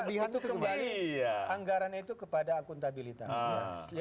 satu kembali anggarannya itu kepada akuntabilitas